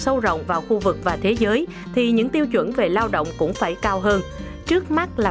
sâu rộng vào khu vực và thế giới thì những tiêu chuẩn về lao động cũng phải cao hơn trước mắt là